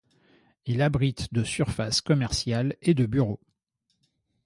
Il habrite de surfaces commercials et de bureaux.